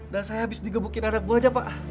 dan saya habis digebukin anak buahnya pak